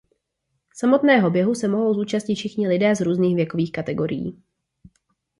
Samotného běhu se mohou zúčastnit všichni lidé z různých věkových kategorií.